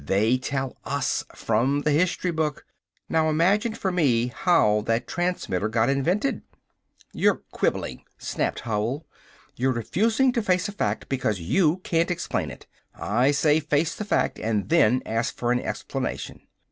They tell us from the history book. Now imagine for me how that transmitter got invented!" "You're quibbling," snapped Howell. "You're refusing to face a fact because you can't explain it. I say face the fact and then ask for an explanation!"